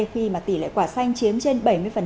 khi mà tỷ lệ quả xanh chiếm trên bảy mươi